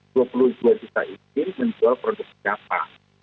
dua puluh dua juta ini menjual produk siapa